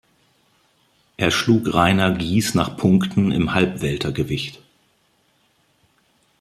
Er schlug Rainer Gies nach Punkten im Halbweltergewicht.